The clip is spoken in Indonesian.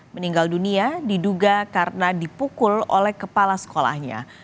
meninggal dunia diduga karena dipukul oleh kepala sekolahnya